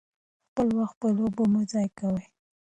خپل وخت په لوبو مه ضایع کوئ.